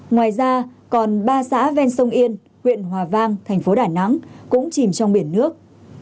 ngoài ra còn ba xã ven sông yên huyện hòa vang thành phố đà nẵng cũng chìm trong biển nước